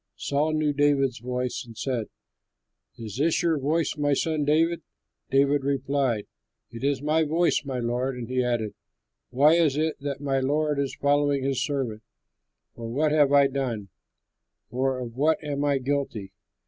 Saul knew David's voice and said, "Is this your voice, my son David?" David replied, "It is my voice, my lord." And he added, "Why is it that my lord is following his servant? For what have I done? Or of what am I guilty?